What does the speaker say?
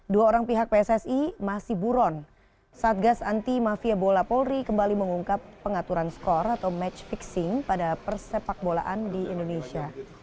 dua orang pihak pssi masih buron satgas anti mafia bola polri kembali mengungkap pengaturan skor atau match fixing pada persepak bolaan di indonesia